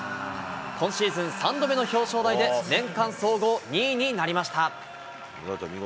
今シーズン３度目の表彰台で、年間総合２位になりました。